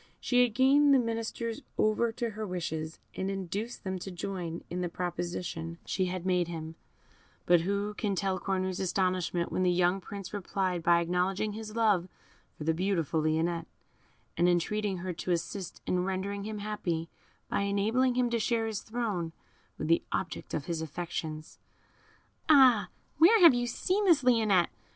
She had gained the ministers over to her wishes, and induced them to join in the proposition she had made to him; but who can tell Cornue's astonishment when the young Prince replied by acknowledging his love for the beautiful Lionette, and entreating her to assist in rendering him happy, by enabling him to share his throne with the object of his affections! "Ah! where have you seen this Lionette?"